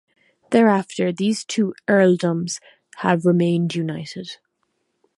Thereafter, these two earldoms have remained united.